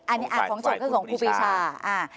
อันนี้อาจของโจทย์ก็คือของครูพิชา